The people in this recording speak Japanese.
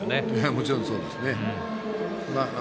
もちろん、そうですよね。